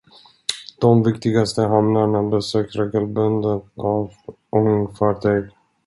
De viktigaste hamnarna besöks regelbundet av ångfartyg.